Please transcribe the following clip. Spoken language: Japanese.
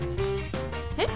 えっ？